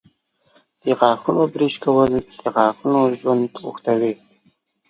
د غاښونو برش کول د غاښونو ژوند اوږدوي.